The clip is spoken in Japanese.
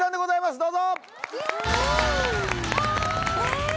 どうぞ。